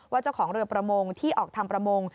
เจ้าของเรือประมงที่ออกทำประมง